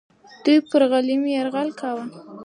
دوی پر غلیم یرغل کاوه.